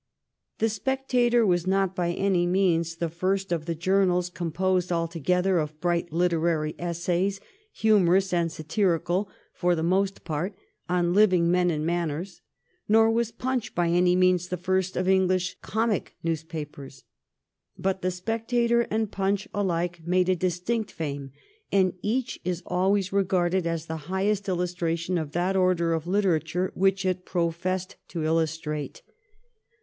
' The Spectator ' was not by any means the first of the journals composed altogether of bright literary essays, humorous and satirical for the most part, on living men and manners, nor was ' Punch ' by any means the first of English comic newspapers. But 'The Spectator' and 'Punch' alike made a distinct fame, and each is always regarded as the highest illustration of that order of literature which it professed to illustrate.